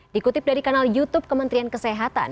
dikutip dari kanal youtube kementerian kesehatan